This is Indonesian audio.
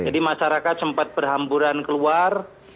jadi masyarakat sempat berhamburan keluar